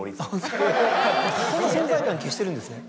そんな存在感消してるんですね。